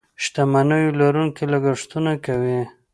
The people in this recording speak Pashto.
شتمنيو لرونکي لګښتونه کوي.